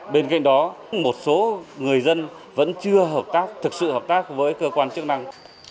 bên cạnh đó một số người dân vẫn chưa thực sự hợp tác với cơ quan chức năng